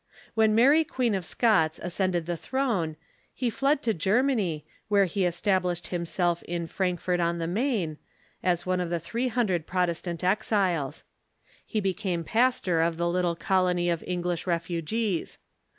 AVhen Mary Queen of Scots ascended the throne, he fled to Germany, where he established himself in Frankfort on the Main, as one of the three hundred Protestant exiles. He became pas tor of the little colony of English refugees.